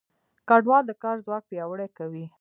کډوال د کار ځواک پیاوړی کوي.